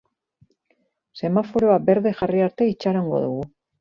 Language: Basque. Semaforoa berde jarri arte itxarongo dugu.